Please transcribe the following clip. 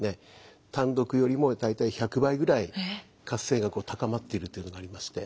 単独よりも大体１００倍ぐらい活性が高まっているというのがありまして。